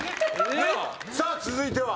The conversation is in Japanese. さあ続いては？